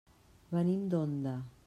Venim d'Onda.